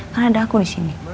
karena ada aku di sini